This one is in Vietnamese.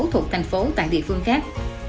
thuộc thành phố tại địa phương khác